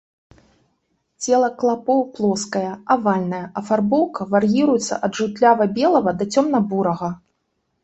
Цела клапоў плоскае, авальнае, афарбоўка вар'іруецца ад жаўтлява-белага да цёмна-бурага.